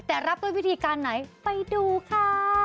แต่รับด้วยวิธีการไหนไปดูค่ะ